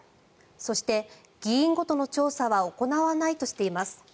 そして、議員ごとの調査は行わないとしています。